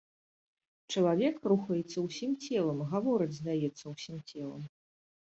Чалавек рухаецца ўсім целам, гаворыць, здаецца, усім целам.